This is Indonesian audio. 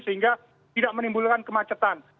sehingga tidak menimbulkan kemacetan